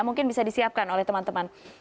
mungkin bisa disiapkan oleh teman teman